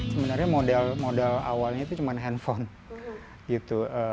sebenarnya modal awalnya itu cuma handphone gitu